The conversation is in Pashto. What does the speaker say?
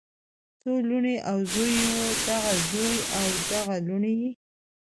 څو لوڼې او زوي یې وو دغه زوي او دغه لوڼو یی